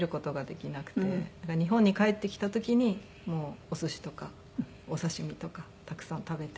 だから日本に帰ってきた時におすしとかお刺し身とかたくさん食べて。